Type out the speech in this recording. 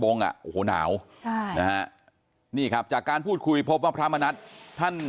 นะฮะนี่ครับจากการพูดคุยพบว่าพระมณัฐท่าน